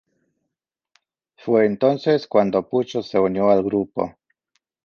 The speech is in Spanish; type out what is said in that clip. Fue entonces cuando Pucho se unió al grupo.